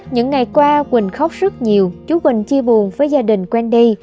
những ngày qua quỳnh khóc rất nhiều chú quỳnh chia buồn với gia đình quen đi